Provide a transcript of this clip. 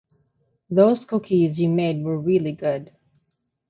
Those cookies you made were really good.